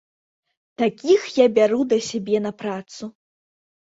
Такіх я бяру да сябе на працу.